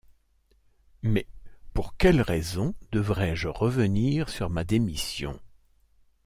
Mais pour quelle raison devrais-je revenir sur ma démission ?